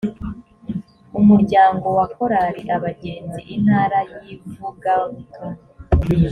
umuryango wa korali abagenzi intara y ivugabutumwa